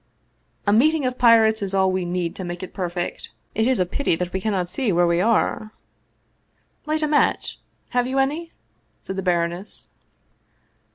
" A meeting of pirates is all we need to make it perfect. It is a pity that we cannot see where we are !"" Light a match. Have you any? " said the baroness.